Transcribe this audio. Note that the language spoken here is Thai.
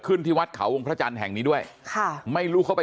ที่วัดเขาวงพระจันทร์แห่งนี้ด้วยค่ะไม่รู้เขาไป